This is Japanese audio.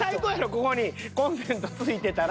ここにコンセント付いてたら。